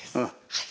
はい。